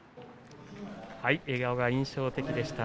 笑顔が印象的でした。